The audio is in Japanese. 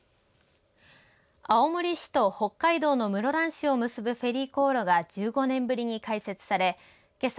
青森市と北海道の室蘭市を結ぶフェリー航路が１５年ぶりに開設されけさ